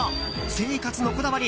生活のこだわり